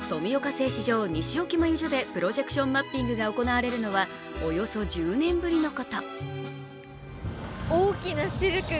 製糸場西置繭所でプロジェクションマッピングが行われるのはおよそ１０年ぶりのこと。